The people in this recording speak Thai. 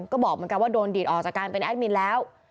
ก็บอกเหมือนกันว่าโดนดีดออกจากการเป็นแอดมินแล้ว